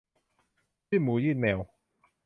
ยื่นหมูยื่นแมว